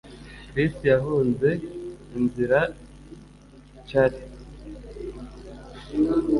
Chris yahunze inzira, Cr